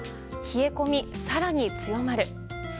冷え込み、更に強まる。